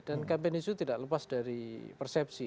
dan campaign isu tidak lepas dari persepsi